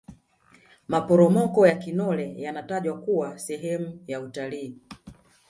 maporomoko ya kinole yanatajwa kuwa sehemu ya watalii